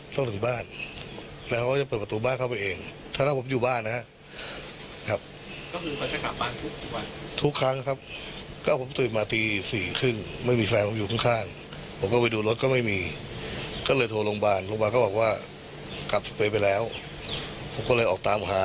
กลับเส้นแต่ไปแล้วผมก็เลยออกตามหา